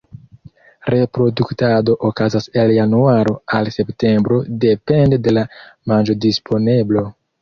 Reproduktado okazas el januaro al septembro depende de la manĝodisponeblo.